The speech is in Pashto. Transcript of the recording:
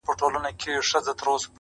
تر کوډ ګرو، مداریانو، تعویذونو!!